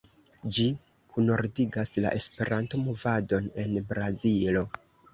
Ĝi kunordigas la Esperanto-movadon en Brazilo.